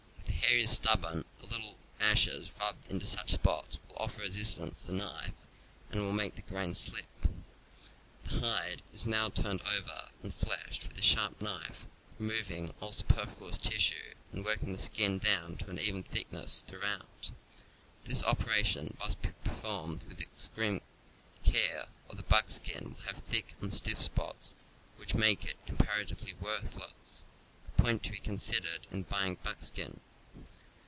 If the hair is stubborn, a little ashes rubbed into such spots will offer resistance to the knife and will make the grain slip. The hide is now turned over and fleshed with a sharp knife, by remov ing all superfluous tissue and working the skin down to an even thickness throughout. This operation must be performed with extreme care or the buckskin will have thick and stiff spots which make it comparatively worthless — a point to be considered in buying buck skin.